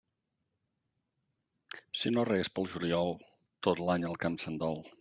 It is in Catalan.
Si no regues pel juliol, tot l'any el camp se'n dol.